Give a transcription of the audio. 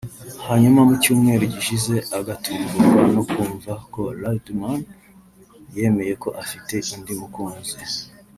hanyuma mu cyumweru gishize agatungurwa no kumva ko Riderman yemeye ko afite undi mukunzi